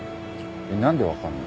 何で分かんの？